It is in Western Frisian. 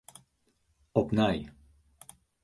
Opnij.